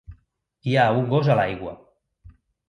Hi ha un gos a l'aigua.